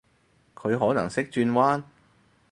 佢可能識轉彎？